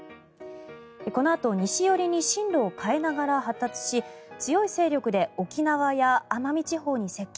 このあと西寄りに進路を変えながら発達し強い勢力で沖縄や奄美地方に接近。